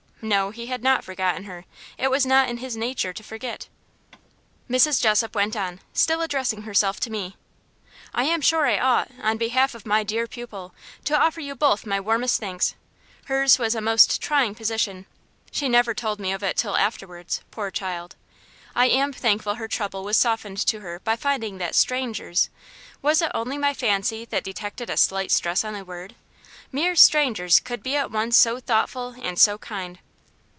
No, he had not forgotten her. It was not in his nature to forget. Mrs. Jessop went on, still addressing herself to me. "I am sure I ought, on behalf of my dear pupil, to offer you both my warmest thanks. Hers was a most trying position. She never told me of it till afterwards, poor child! I am thankful her trouble was softened to her by finding that STRANGERS" (was it only my fancy that detected a slight stress on the word?) "mere strangers could be at once so thoughtful and so kind."